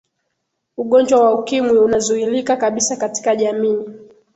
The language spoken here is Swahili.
ugonjwa wa ukimwi unazuilika kabisa katika jamii